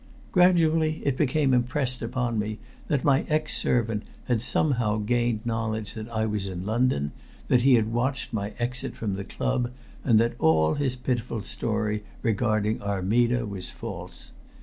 Gradually it became impressed upon me that my ex servant had somehow gained knowledge that I was in London, that he had watched my exit from the club, and that all his pitiful story regarding Armida was false.